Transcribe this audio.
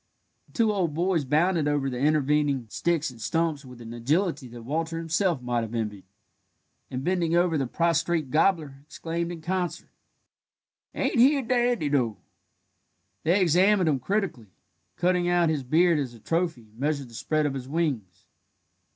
The two old boys bounded over the intervening sticks and stumps with an agility that Walter himself might have envied, and bending over the prostrate gobbler exclaimed in concert: "Ain't he a dandy, though!" They examined him critically, cutting out his beard as a trophy, and measured the spread of his wings.